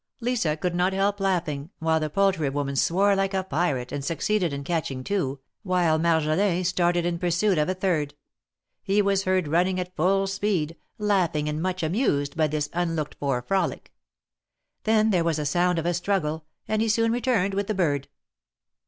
Lisa could not help laughing, while the poultry woman swore like a pirate, and succeeded in catching two, while Marjolin started in pursuit of a third. He was heard running at full speed, laughing and much amused by this unlooked for frolic. Then there w^as a sound of a struggle, and he soon returned with the bird.